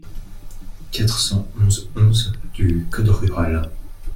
quatre cent onze-onze du code rural.